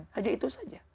hanya itu saja